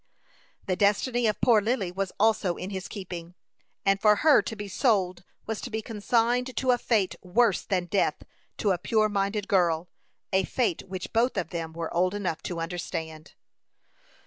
The destiny of poor Lily was also in his keeping, and for her to be sold was to be consigned to a fate worse than death to a pure minded girl a fate which both of them were old enough to understand.